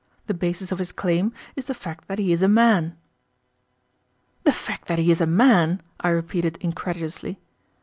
The basis of his claim is the fact that he is a man." "The fact that he is a man!" I repeated, incredulously.